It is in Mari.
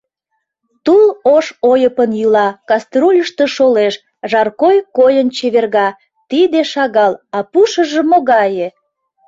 Тул ош ойыпын йӱла, каструльышто шолеш, жаркой койын чеверга, тиде шагал, а пушыжо могае!